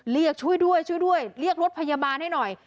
เรียกช่วยด้วยช่วยด้วยเรียกรถพยาบาลให้หน่อย